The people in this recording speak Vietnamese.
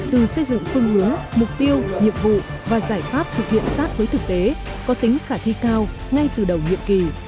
từ xây dựng phương hướng mục tiêu nhiệm vụ và giải pháp thực hiện sát với thực tế có tính khả thi cao ngay từ đầu nhiệm kỳ